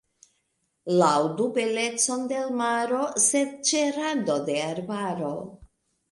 Laŭdu belecon de l' maro, sed ĉe rando de arbaro.